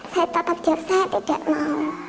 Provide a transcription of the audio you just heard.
saya tetap jawab saya tidak mau